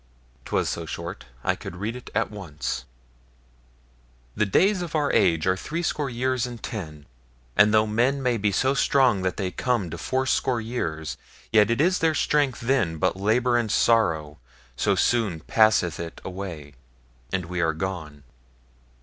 'Twas so short, I could read it at once: The days of our age are threescore years and ten; And though men be so strong that they come To fourscore years, yet is their strength then But labour and sorrow, so soon passeth it Away, and we are gone.